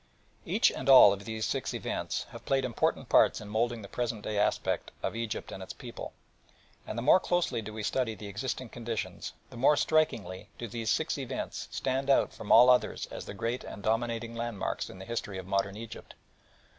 Each and all of these six events have played important parts in moulding the present day aspect of Egypt and its people, and the more closely do we study the existing conditions, the more strikingly do these six events stand out from all others as the great and dominating landmarks in the history of modern Egypt.